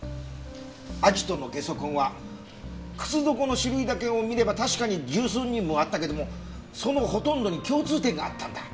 アジトのゲソ痕は靴底の種類だけを見れば確かに十数人分はあったけどもそのほとんどに共通点があったんだ。